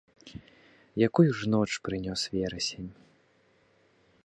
Якую ж ноч прынёс верасень!